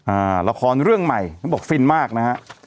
อ่าละครเรื่องใหม่เขาบอกฟินมากนะฮะ